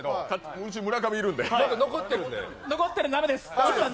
うち、村上いるんで。